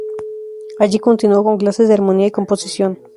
Allí continuó con clases de armonía y composición.